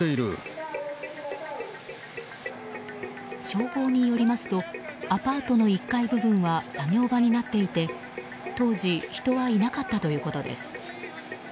消防によりますとアパートの１階部分は作業場になっていて、当時人はいなかったということです。